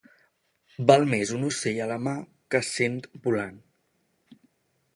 Val més un ocell a la mà que cent volant.